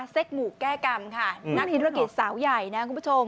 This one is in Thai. หมู่แก้กรรมค่ะนักธุรกิจสาวใหญ่นะคุณผู้ชม